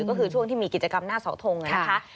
ก็คือช่วงที่มีกิจกรรมหน้าเสาทงนะคะ